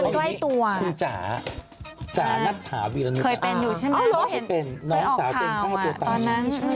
คนใกล้ตัวคือจ๋าจ๋านัตถาวีรณุจรรย์อ้าวไม่ใช่เป็นน้องสาวเต้นท่อตัวตายใช่มั้ยอ๋อเหรอ